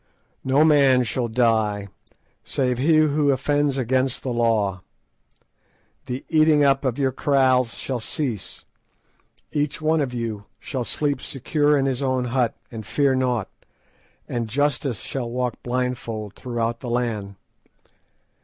No man shall die save he who offends against the laws. The 'eating up' of your kraals shall cease; each one of you shall sleep secure in his own hut and fear naught, and justice shall walk blindfold throughout the land.